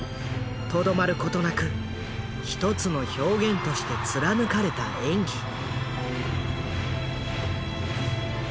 とどまることなく１つの表現として貫かれた演技。